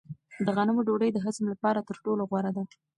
د غنمو ډوډۍ د هضم لپاره تر ټولو غوره ده.